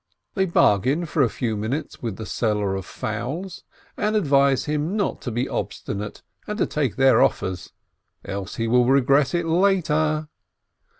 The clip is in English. They WOMEN 455 bargain for a few minutes with the seller of fowls, and advise him not to be obstinate and to take their offers, else he will regret it later.